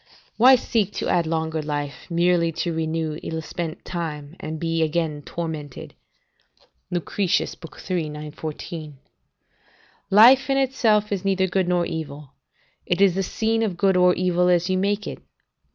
["Why seek to add longer life, merely to renew ill spent time, and be again tormented?" Lucretius, iii. 914.] "Life in itself is neither good nor evil; it is the scene of good or evil as you make it.